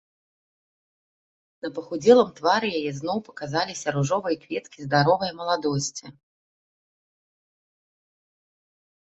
На пахудзелым твары яе зноў паказаліся ружовыя кветкі здаровае маладосці.